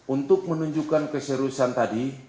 untuk menunjukkan keseriusan tadi